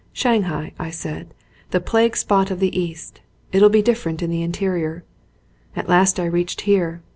Shanghai, I said, the plague spot of the East. It'll be different in the interior. At last I reached here.